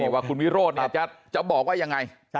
ว่าคุณวิโรธจะบอกว่ายังไง